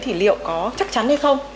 thì liệu có chắc chắn hay không